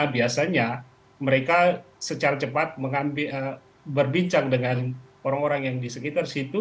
biasanya mereka secara cepat berbincang dengan orang orang yang di sekitar situ